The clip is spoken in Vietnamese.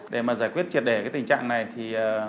để mà giải quyết triệt đề cái tình trạng này thì